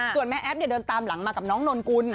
ส่วนแม่แอ๊บเดินตามหลังมากับน้องนนกุล